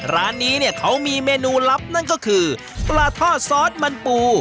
ร้านนี้เนี่ยเขามีเมนูลับนั่นก็คือปลาทอดซอสมันปู